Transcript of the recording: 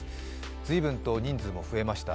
随分と人数も増えました。